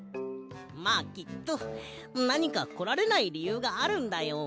まあきっとなにかこられないりゆうがあるんだよ。